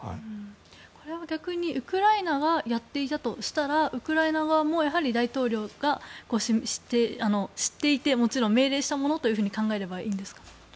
これは逆にウクライナがやっていたとしたらウクライナ側ももちろん大統領が知っていて命令したものというふうに考えればいいんですか？